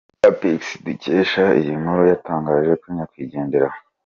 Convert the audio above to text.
Ugandapicks dukesha iyi nkuru yatangaje ko nyakwigendera.